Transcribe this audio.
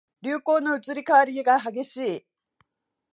流行の移り変わりが激しい